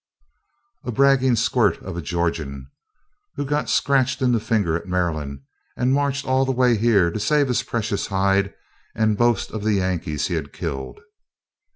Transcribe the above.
A bragging squirt of a Georgian, who got scratched in the finger in Maryland, and marched all the way here to save his precious hide and boast of the Yankees he had killed.